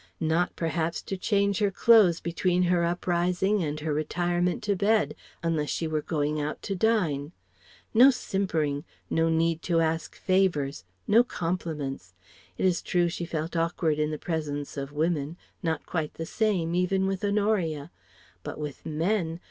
Not, perhaps, to change her clothes, between her uprising and her retirement to bed, unless she were going out to dine. No simpering. No need to ask favours. No compliments. It is true she felt awkward in the presence of women, not quite the same, even with Honoria. But with men.